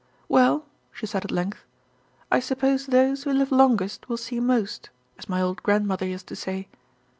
"Well," she said at length. "I suppose those who live longest will see most, as my old grandmother used to say.